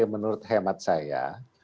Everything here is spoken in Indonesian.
menurut hemat saya